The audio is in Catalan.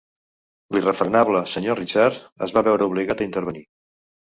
L'irrefrenable senyor Ricard es va veure obligat a intervenir.